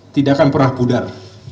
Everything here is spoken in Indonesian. tidakkan perah budar